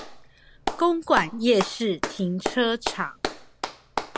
公館夜市停車場